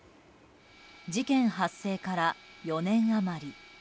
事件発生から４年余り。